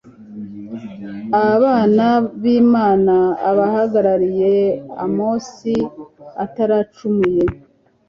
abana b'Imana, abahagarariye amasi ataracumuye.